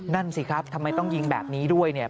นั่นสิครับทำไมต้องยิงแบบนี้ด้วยเนี่ย